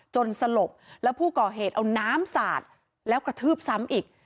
สลบแล้วผู้ก่อเหตุเอาน้ำสาดแล้วกระทืบซ้ำอีก